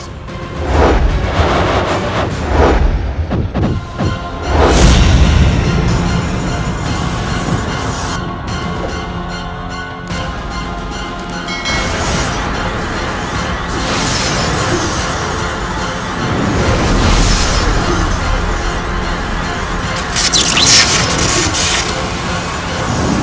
assalamualaikum warahmatullahi wabarakatuh